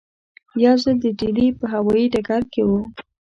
یو ځل د ډیلي په هوایي ډګر کې وو.